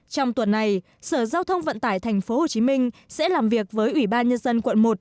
trong tuần này sở giao thông vận tải tp hcm sẽ làm việc với ủy ban nhân dân quận một